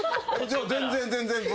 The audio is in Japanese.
全然全然。